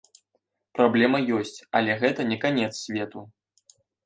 Праблема ёсць, але гэта не канец свету!